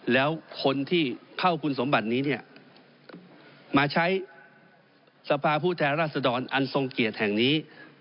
แล้วคนที่เข้าคุณสมบัตินี้เนี่ยมาใช้สภาผู้แทนราษฎรอันทรงเกียรติแห่งนี้